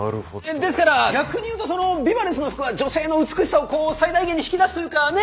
ですから逆に言うとそのＢＩＢＡＬＥＳＳの服は女性の美しさをこう最大限に引き出すというかねっ？